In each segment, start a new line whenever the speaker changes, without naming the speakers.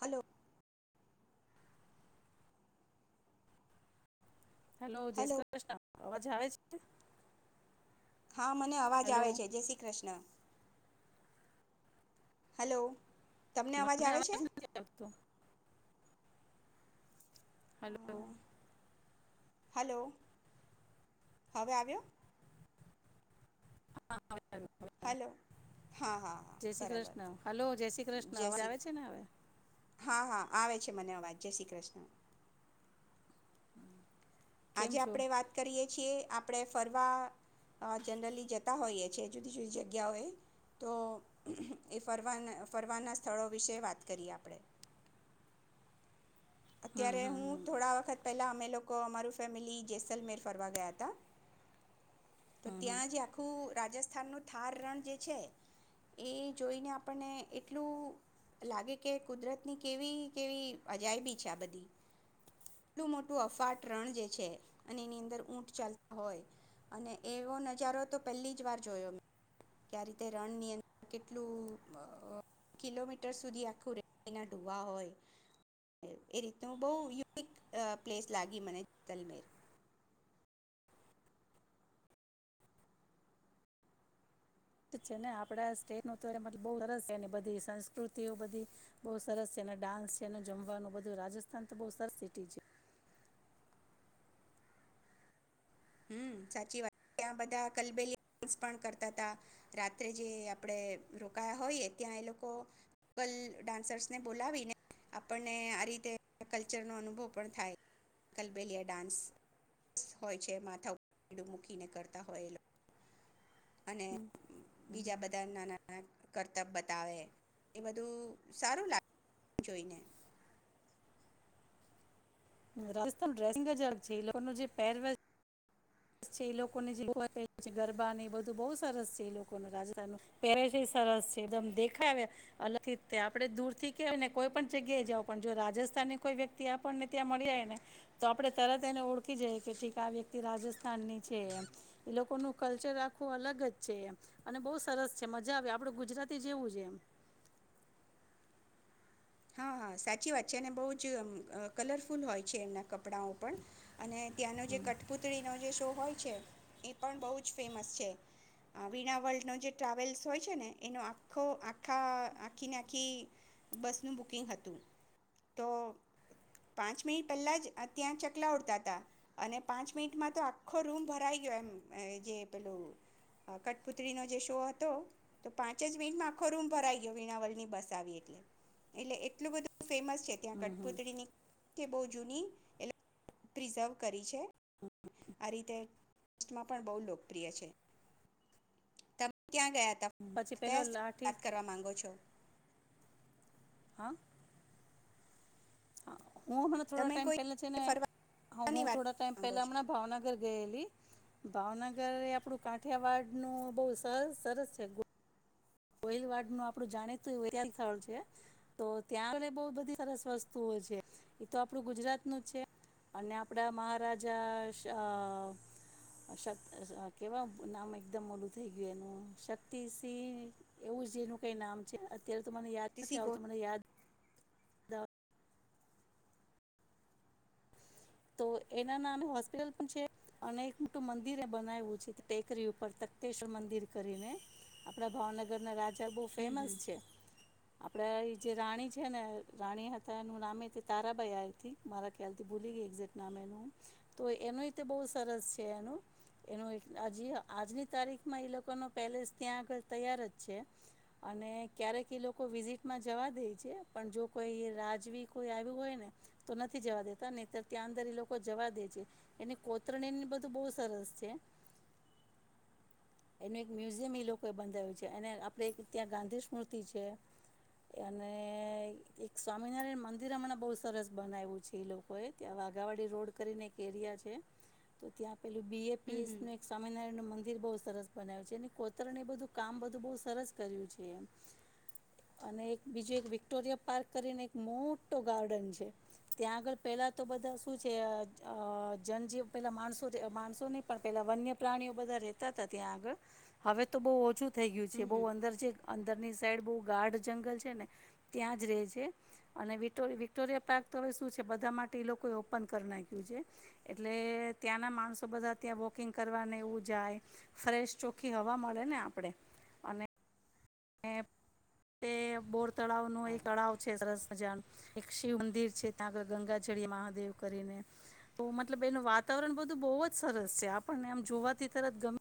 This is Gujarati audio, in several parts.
હલો.
હલો. જય શ્રી કૃષ્ણ. અવાજ આવે છે?
હા, મને અવાજ
હેલો
આવે છે. જય સી કૃષ્ણ. હેલો.
મને અવાજ [unintelligible] હલો.
હલો, હવે આવ્યો?
હા, આવે, આવે, આવે, આવે.
હલો. હા હા હા
જય શ્રી
બરાબર
કૃષ્ણ. હાલો, જય શ્રી કૃષ્ણ.
જય
અવાજ
શ્રી
આવે છે ને હવે?
હા હા આવે છે મને અવાજ. જય શી કૃષ્ણ.
[inaudible]
આજે
છો
આપણે વાત કરીએ છીએ, આપણે ફરવા અહ જનરલી જતા હોઈએ છીએ જુદી-જુદી જગ્યાઓએ, તો એ ફરવાના ફરવાના સ્થળો વિશે વાત કરીએ આપણે.
હમ
અત્યારે
હમ
હું
હમ,
થોડા વખત પેલા અમે લોકો, અમારુ ફેમિલી જેસલમેર ફરવા ગયાતા. તો
હમ હમ
ત્યાં જે આખું રાજસ્થાનનું થાર રણ જે છે, એ જોઈને આપણને એટલું લાગે કે કુદરતની કેવી કેવી અજાયબી આ બધી, કેટલું મોટું અફાટ રણ જે છે અને એની અંદર ઊંટ ચાલતા હોય અને એવો નજારો તો પહેલી જ વાર જોયો મે, કે આ રીતે રણ ની અંદર કેટલું કિલોમીટર સુધી આખું રેતીના કુવા હોય એ રીતનું બોવ યુનિક પ્લેસ લાગી મને જ તલમેર
તો છે ને આપણા સ્ટેટનું તો મતલબ બોવ સરસ છે, એની બધી સંસ્કૃતિઓ બધી બોવ સરસ છે, એને ડાન્સ છેને, એનું જમવાનું બધું રાજસ્થાન તો બોવ સરસ સિટી છે.
હમ્મ સાચી વાત. ત્યાં બધા કલબેલિયા ડાંસ પણ કરતા હતા. રાત્રે જે આપડે રોકાયા હોઈએ, ત્યાં એ લોકોલ ડાન્સર્સ ને બોલાવીને આપણને આ રીતે કલ્ચર નો અનુભવ પણ થાય, કલબેલિયા ડાન્સ હોય છે માર [unintelligible] મૂકીને કરતા હોય એ લોક અને
હમ, હમ.
બીજા બધા નાના નાના કરતબ્ય બતાવે, એ બધું સારું લાગે જોઈને.
રાજસ્થાન ડ્રેસિંગ જ અલગ છે. એ લોકોનું જે પેરવેલ છે એ લોકોને જે લોકલ ગરબા એ બધું બોવ સરસ છે એ લોકોનું રાજસ્થાનનું, પેરે છે એ સરસ છે એકદમ દેખાઈ આવે અલગથીતે, આપડે દૂર થી કેવાય ને કોઈ પણ જગ્યાએ જાવ, પણ જો રાજસ્થાનની કોઈ વ્યક્તિ આપણને ત્યાં મળી જાય ને, તો આપડે તરત એને ઓળખી જઈ કે ઠીક આ વ્યક્તિ રાજસ્થાન રાજસ્થાનની છે એમ, એ લોકોનું કલ્ચર રાખવું અલગ જ છે એમ અને બોવ સરસ છે, મજા આવે આપડે ગુજરાતી કલ્ચર જેવું જ છે એમ.
હા, હા સાચી વાત છે અને બોવ જ કલરફુલ હોય છે, એમના કપડાંઓ પણ અને ત્યાંનો જે કઠપુતળીનો જે શો હોય છે, એ પણ બોવ જ ફેમસ છે. વીણા વર્લ્ડનો જે ટ્રાવેલ્સ હોય છે ને, એનો આખો આખા આખીને આખી બસ ન બુકિંગ હતુ, તો પાંચ મિનિટ પહેલાં જ ત્યાં ચકલા ઉડતા હતા અને પાંચ મિનિટમાં તો આખો રૂમ ભરાઈ ગયો એમ જે પેલું કટપુત્રીનો જે શો હતો, તો પાંચ જ મિનિટમાં આખો રૂમ ભરાઈ ગયો વીણાવલની બસ આવી એટલે એટલે એટલું બધું ફેમસ છે, ત્યાં કઠપુતળીની કે બો જૂની એલ પ્રિઝર્વ કરી છે, આ રીતે સ્ટેટમાં પણ બો લોકપ્રિય છે. તમે ક્યાં ગયા?
પછી પેલો
કયા સ્થળ
લાઠી
વાત કરવા માંગો છો
હા. હું હમણા થોડા
તમે
ટાઈમ
કોઈ
પહેલા છે ને હા
ફરવાની
હું
વાત
થોડા
કરવા
ટાઈમ
માંગો
પેલા
છો
હમણાં ભાવનગર ગયેલી ભાવનગર આપડું કાંઠિયાવાડ નું બહ સર સરસ છે. કોહલવાડ ન આપડું જાણીું વ સ્થળ છે તો ત્યાં આગ બહ બધી સરસ વસ્તુઓ છે એતો આપણું ગુજરાત નું છે અને આપડા મહારાજા કેવા નામ એકદમ ઓલું થઈ ગયું એનું શક્તિસિંહ એવું જ એનું કઈ નામ છે. અત્યારે તો મને યાદ
તીસી
નથી
ગો
આવતું મને યાદ તો એના નામે હોસ્પિટલ પણ છે અને એક મોટું મંદિર એ બનાવું છે ટેકરી ઉપર તખતેશ્વર મંદિર કરીને આપડા ભાવનગર ના રાજ બો
હમ
ફેમસ
હમ
છે. આપડે એ જે રાણી છે ને રાણી હતા, એનું નામ તારાભાઈ આવીથી મારા ખ્યાલ થી ભૂલી ગઈ એેક તો એનુંી બહુ સરસ છે એનું એનું હ આજની તારીખમાં એ લોકો ન પેલેસ ત્યાં આગળ તૈયાર જ છે, અને ક્યારેક એ લોકો વિઝિટમાં જવા દે છે પણ જો કોઈ રાજવી કોઈ આવ્યું હોય ને તો નથી જવા દેતા નેત ત્યાં અંદર એ લોકો જવા દે છે એની કોતરણી બધું બહુ સરસ છે. એનું એક મ્યુઝિયમ એ લોકો એ બંધાવ્યું છે અને આપડે ત્યાં ગાંધી સ્મૂર્તિ છે અને એક સ્વામિનારાયણ મંદિર હમણાં બહુ સરસ બનાવ્યું છે એ લોકોએ. ત્યાં વાઘાવાડી રોડ કરીને એક એરિયા છે તો ત્યાં પેલું બી એ પી
હમ
એસ
હમ
એક સ્વામીના બ સરસ બના્યું છે કોતર એ બધું કામ બધું બ સરસ કર્યું છે એ, અને એક બીજું એક વિક્ટોરિયા પાર્ક કરીને એક મોટો ગાર્ડન છે, ત્યાં આગળ પેલા બધા શું છે જનજીવ પેલા માણસો માણસો નહી પણ પેલા વન્ય પ્રાણીઓ બધા રેતા હતા ત્યાં આગળ, હવે તો બહ ઓછું થઈ ગયું છે
હમ
બહુ
હમ
અંદર છે અંદરની સાઈ બ ગાઢ જંગલ છે ને, ત્યાં જ ર રહે છે, અને વર વિક્ટોરિયા પાર્ક તો હવે શું છે બધા માટે લોકોએ ઓપન કરી નાખ્યું છે, એટલે ત્યાંના માણસો બધા ત્યાં વોકિંગ કરવાને એવું જાય, ફ્રેશ ચોખ્ખી હવા મળે ને આપણેે, અને એ બોર તળાવ ન
હા
એક તળાવ છે સરસ મજા, એક શિવ મંદિર છે ત્યાં આગળ ગંગાજળ મહાદેવ કરીને, તો મતલબ એનું વાતાવરણ બધું બહુ જ સરસ છે આપણને આમ જોવાથી તરત ગમે.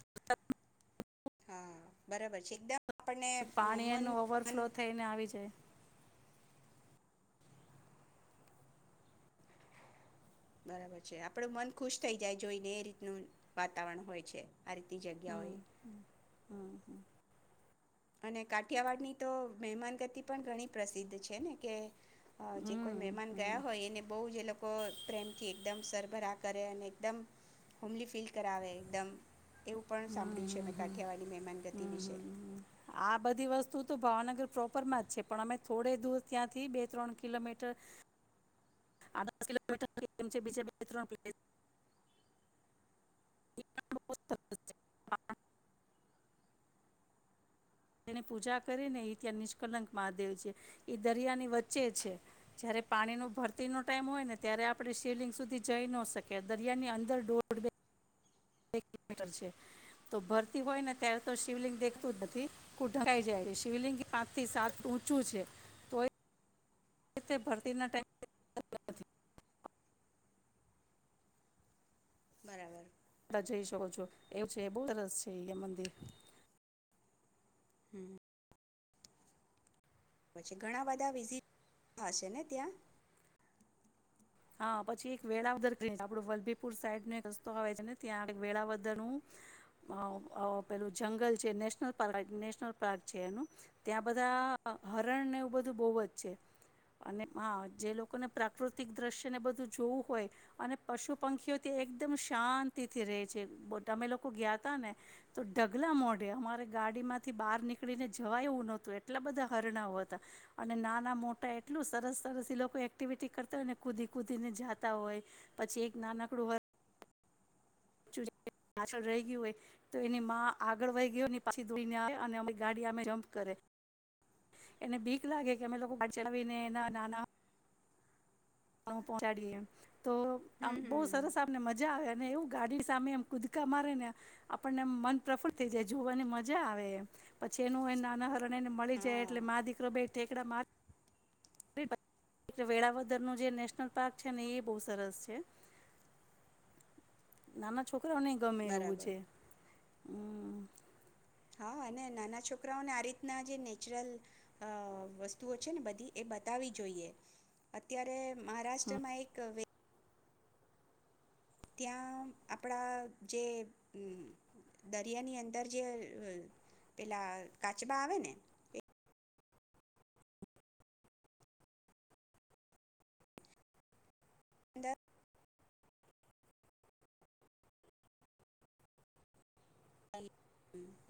[unintelligible]
હા બરાબર છે એકદમ. આપણને અ મન
પાણીનું
મન
ઓવરફ્લો થઈને આવી જાય.
બરાબર છે આપડું મન ખુશ થઈ જાય જોઈને એ રીતનું વાતાવરણ હોય છે. આ રીતી જગ્યા
હમ
હોય.
હમ
અને કાઠિયાવાડ ની તો મહેમાન ગતિ પણ ઘણી પ્રસિદ્ધ છે ને કે જે કોઈ
હમ
મહેમાન
હમ
ગયા હોય એને બહ જે લોકો પ્રેમથી એકમ સરભરા કરે અને એકદમ, હોમલી ફીલ કરાવે એકદમ એવું પણ સાંભળ્યું છે મેં કાઠિયાવાની મહેમાનગતિ વિશે.
હમ આ બધી વસ્તુ તો ભાવનગર પ્રોપરમાં જ છે પણ અમે થોડે દૂર ત્યાંથી બે ત્રણ કિલોમીટર, [unintelligible] આધ કિલોમીટર એ છે બીજ બે ત્રણ પ. [unintelligible] તેની પૂજા કરીને એ ત્યાં નિષ્કલંક મહાદેવ છે, એ દરિયાની વચ્ચે છે, જય્યારે પાણીનો ભરતીનો ટાઈમ હોય ને ત્યારે આપણે શિવલિંગ સુધી જઈ ન શકીએ દરિયાની અંદર દુબે. છે, તો ભરતી હોય ને ત્યારે તો શિવલિંગ દેખતું જ નથી ઢંકાઈ જાય છે, શિવલિંગ પાંચ થી સાત ઊંચું છે, તો ભરતી ના ટમ
બરાબર.
ટાઈમ જઈ શકો છો એવું છે બહુ સરસ છે અહયા મંદિર.
હમ્મ. પછી ઘણા બધા વિઝિટ હશે ને ત્યાં.
હા પછી આપડ વેળા વલ્લભીપુર સાઈડને રસ્તો આવે છેને ત્યાં વેળાવદર નું પેલું જંગલ છે, નેશનલ પ્ક નેશનલ પાર્ક છે એનું ત્યાં બધા હરણને એવું બધું બોવ જ છે અને હા જે લોકોને પ્રાકૃતિક દ્રશ્ ને બધું જોવું હોય અને પશુ પંખીઓ એકદમ શાંતિથી રહે છે, અમે લોકો ગયા ત ને તો ઢગલા મોઢે અમારે ગાડી માંથી બહાર નીકળીને જવાય એવું નહતું એટલા બધા હરણા હતા અને નાના મોટા એટલું સરસ-સરસ એ લોકો એક્ટિવિટી કરતા હોય ને. કૂદી કૂદીને જાતા હોય પછી એક નાનકડું [unintelligible] પાછળ રહી ગય હોય તો એની માં આગળ વહી ગય પાછી દોને આવે અને અરી ગાડી જમપ કરે એને ભીક લાગે કે અમે લોકો ચલાને એના નાના. પહંચાડીએ. તો આ
હમ
બહુ
હમ
સરસ આપને મજા મજા આવે અને એવું ગાડી સામે એ કુદકા મારે ને આપણને મન પ્રફુલ્લ થઈ જાય જોવાની મજા આવે, એમ પછી એનું એ નાના હરણે એને મળી જાય
હા
એટલે મા દીકરો ભાઈ ઠટેકડા મારે. વેળાવદર નું જે નેશનલ પાર્ક છે ને એ બહ સરસ છે. નાના છોક. છોકરો નહી ગમે એવું
બરાબર
છે. હમ
હા અને નાના છોકરાઓને આ રીતના જે નેચરલ અ વસ્તુઓ છે ને બધી એ બતાવી જોઈએ અત્યારે. મહારાષ્ટ્રમાં એક વ ત્યાં આપણા જે દરિયાની અંદર જે પેલા કાચબા આવે ને અંદર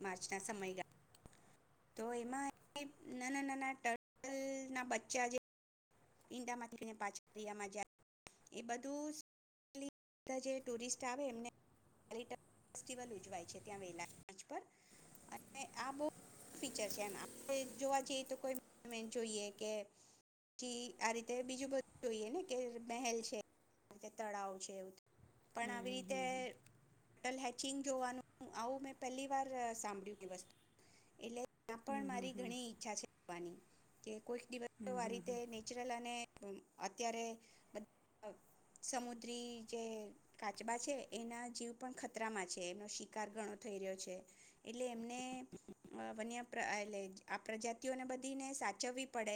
માર્ચના સમયગા તો એમાં નાના નાના ટટલના બચ્ચા જે માં પાછરિયામાં જાય એ બધું ટુરિસ્ટ આવે એલ ઉજવાય છે ત્યાં વેલાચ અને આ બ ફીચર છે એ આપણે જોવા જઈએ તો કોઈ મોન્યુમેન્ટ જોઈએ કે જી આ રીતે બીજું બધું જોઈએ ને કે મહેલ છેી તળાવ છે એવું પણ આવી રીતેટલ હ વા આવું મે પલી વાર સાંભ્યુ ત્યાં પણ મારી ઘણી ઈચ્છા છે જવાની. [inaudible] કોઈ દિવસ વારી નેચરલ અને અમ્મ અત્યારે સમુદ્રી જે કાચબા છે. એના જીવ પણ ખતરામાં છે. એમનો શિકાર ઘણો થઈ રહ્યો છે. એટલે એમને અ વન્ય પ્રા એટલે આ પ્રજાતિઓને બધીને સાચવવી પડે.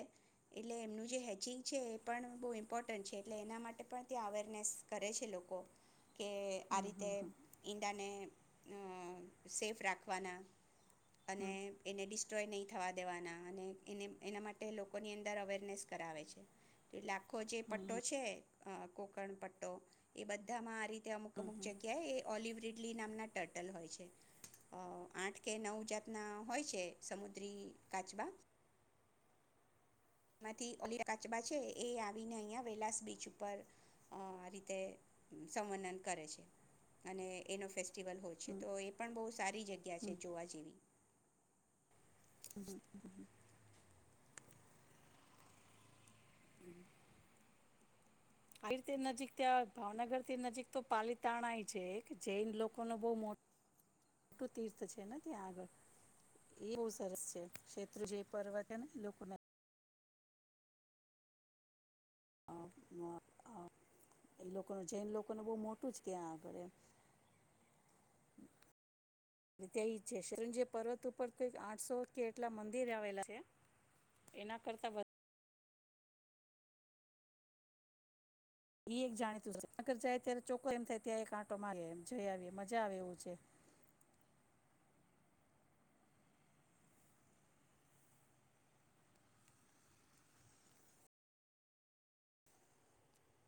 એટલે એમનું જે હેચિંગ છે. એ પણ બહુ ઇમ્પોર્ટન્ટ છે એટલે એના માટે પણ ત્યાં અવેરનેસ કરે છે લોકો. કે આ રીતે ઈંડાને અ સેફ રાખવાના. અને એને ડિસ્ટ્રોય ન‌ઈ થવા દેવાના અને એને એના માટે લોકો અવેરનેસ કરાવે છે તો એટલે ખોજે પટ્ટો છે. અ કોકણ પટ્ટો એ બધામાં આ રીતે તે અમુક અમુક જગ્યાએ એ ઓલિવરી લી નામના ટટલ હોય છે. આઠ કે નવ જાતના હોય છે સમુદ્રી કાચબા. એમાંથી [unintelligible] કાચબા છે એ આવીને અહિયાં વેલાસ બીચ ઉપર અ રીતે સંવર્ણન કરે છે. અને એનો ફેસ [unintelligible] હોય છે તો એ પણ બહ સારી જગ્યા છે જોવા જેવી.
[inaudible] આવી રીતે નજીક ત્યાં ભાવનગર નજીક તો પાલીતાણા એ છે. એક જૈન લોકો ન બો મોટું તીર્થ છે ને ત્યાં આગળ એ બહુ સરસ છે શેત્રુંજય પર્વત છે ને લોકોને [unintelligible] અ એ લોકો ન જૈન લોકોનું બઉ મોટું જ આગળ ત્યાંઈ આગળ એમ જયસંજય પર્વત ઉપર કંઈક આઠસો કે એટલા મંદિર આવેલા છે. એના કરતા વ ઈ એક જાણીતું [unintelligible] જાય ત્યારે ચોખ્ખો એમ થાય ત્યાં એક આંટો મારી આવી જઈ આવી મજા આવે એવું છે.